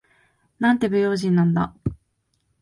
なんて不用心なんだ。